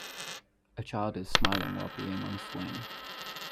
A child is smiling while being on a swing.